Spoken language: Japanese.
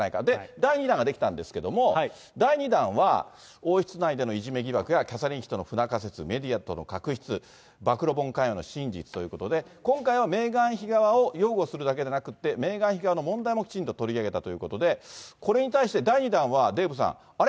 第２弾が出来たんですけれども、第２弾は、王室内でのいじめ疑惑やキャサリン妃との不仲説、メディアとの確執、暴露本関与の真実ということで、今回はメーガン妃側を擁護するだけでなくて、メーガン妃側の問題もきちんと取り上げたということで、これに対して、第２弾は、デーブさん、あれ？